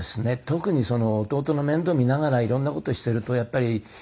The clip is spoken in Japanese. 特に弟の面倒を見ながら色んな事をしているとやっぱり。